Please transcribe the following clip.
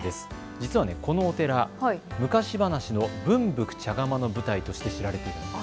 実はこのお寺、昔話の分福茶釜の舞台として知られています。